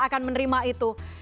akan menerima itu